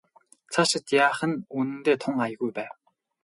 Цаашид яах нь үнэндээ тун аягүй байв.